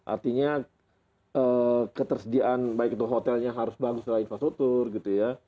artinya ketersediaan baik itu hotelnya harus bagus adalah infrastruktur gitu ya